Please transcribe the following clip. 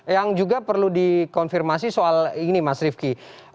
yang juga perlu dikonfirmasi soal ini mas rifki